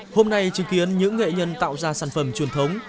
hôm nay chứng kiến những nghệ nhân tạo ra sản phẩm truyền thống